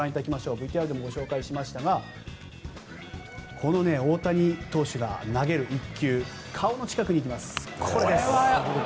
ＶＴＲでもご紹介しましたが大谷投手が投げる１球が顔の近くにいきます。